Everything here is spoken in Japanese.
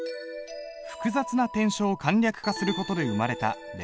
複雑な篆書を簡略化する事で生まれた隷書。